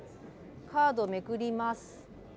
カードをめくります。